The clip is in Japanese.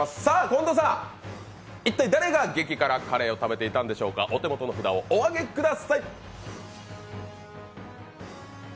近藤さん、一体誰が激辛カレーを食べていたんでしょうか、お手元の札をお挙げください。